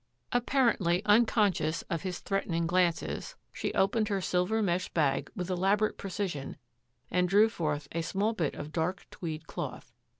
Apparently unconscious of his threatening glances, she opened her silver mesh bag with elab orate precision and drew forth a small bit of dark tweed cloth.